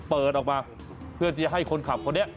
เปิดออกมาเพื่อที่จะให้คนขับเขาเนี่ย